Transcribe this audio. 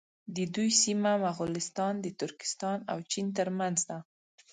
د دوی سیمه مغولستان د ترکستان او چین تر منځ ده.